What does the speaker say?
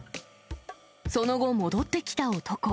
その後、戻ってきた男。